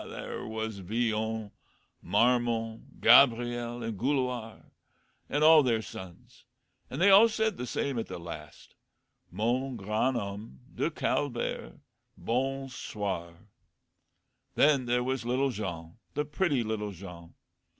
There was Villon, Marmon, Gabriel, and Gouloir, and all their sons; and they all said the same at the last, 'Mon grand homme de Calvaire bon soir!' Then there was little Jean, the pretty little Jean.